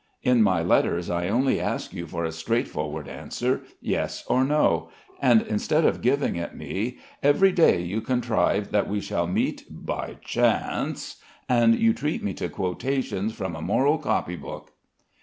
In my letters I only ask you for a straightforward answer: Yes, or No; and instead of giving it me, every day you contrive that we shall meet 'by chance' and you treat me to quotations from a moral copy book."